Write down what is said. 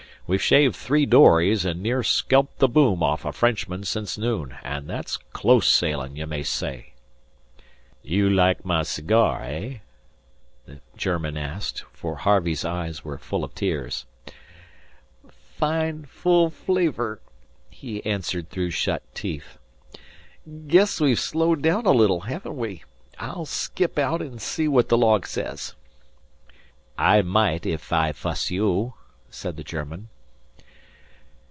We've shaved three dories an' near scalped the boom off a Frenchman since noon, an' that's close sailing', ye may say." "You like my cigar, eh?" the German asked, for Harvey's eyes were full of tears. "Fine, full flavor," he answered through shut teeth. "Guess we've slowed down a little, haven't we? I'll skip out and see what the log says." "I might if I vhas you," said the German.